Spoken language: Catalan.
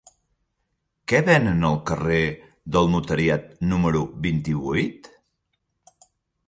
Què venen al carrer del Notariat número vint-i-vuit?